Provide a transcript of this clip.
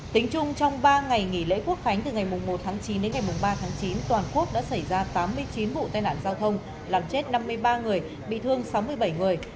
tính chung trong ba ngày nghỉ lễ quốc khánh từ ngày một tháng chín đến ngày ba tháng chín toàn quốc đã xảy ra tám mươi chín vụ tai nạn giao thông làm chết năm mươi ba người bị thương sáu mươi bảy người